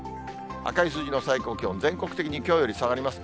赤い数字の最高気温、全国的にきょうより下がります。